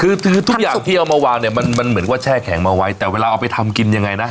คือคือทุกอย่างที่เอามาวางเนี่ยมันเหมือนว่าแช่แข็งมาไว้แต่เวลาเอาไปทำกินยังไงนะ